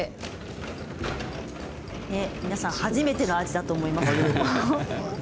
皆さん初めての味だと思います。